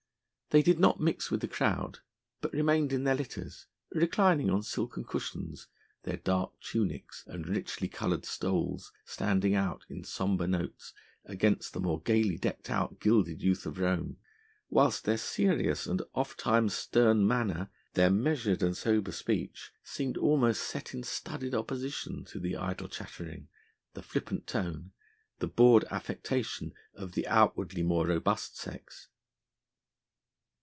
They did not mix with the crowd but remained in their litters, reclining on silken cushions, their dark tunics and richly coloured stoles standing out in sombre notes against the more gaily decked out gilded youth of Rome, whilst their serious and oft times stern manner, their measured and sober speech, seemed almost set in studied opposition to the idle chattering, the flippant tone, the bored affectation of the outwardly more robust sex.